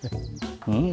うん。